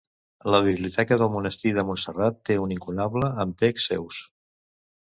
La biblioteca del Monestir de Montserrat té un incunable amb texts seus.